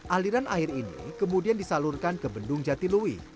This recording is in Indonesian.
aliran air ini kemudian disalurkan ke bendung jatilui